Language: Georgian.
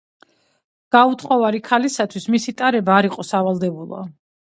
გაუთხოვარი ქალისათვის მისი ტარება არ იყო სავალდებულო.